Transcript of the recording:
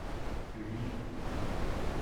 Le livre.